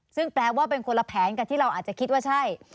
ซึ่งแปลว่าเป็นคนละแผนกับที่เราอาจจะคิดว่าใช่